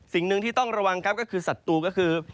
สิ่งหนึ่งที่ต้องระวังครับก็คือศัตรูก็คือ